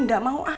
nggak mau ah